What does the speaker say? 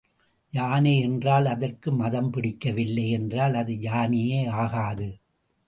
யானை என்றால் அதற்கு மதம் பிடிக்கவில்லை என்றால் அது யானையே ஆகாது.